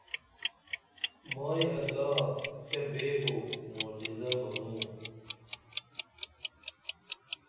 مائی اللہ کیہ بیبو معجزہ منوں